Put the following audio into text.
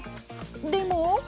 でも。